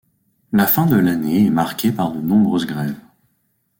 La fin de l'année est marquée par de nombreuses grèves.